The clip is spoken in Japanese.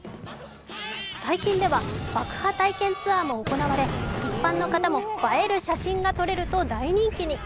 最近では、爆破体験ツアーも行われ一般の方映える写真が撮れると大人気に。